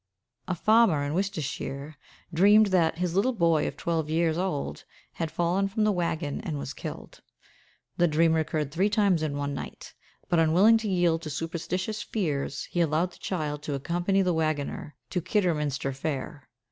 A farmer, in Worcestershire, dreamed that his little boy, of twelve years old, had fallen from the wagon and was killed. The dream recurred three times in one night; but, unwilling to yield to superstitious fears, he allowed the child to accompany the wagoner to Kidderminster fair.